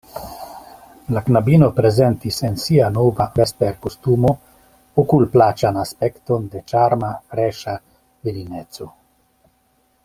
La knabino prezentis en sia nova vesperkostumo okulplaĉan aspekton de ĉarma, freŝa virineco.